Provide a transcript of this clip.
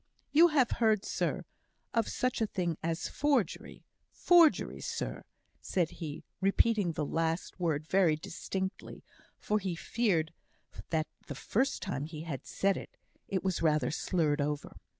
"You have heard, sir, of such a thing as forgery forgery, sir?" said he, repeating the last word very distinctly; for he feared that the first time he had said it, it was rather slurred over.